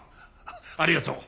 ありがとう。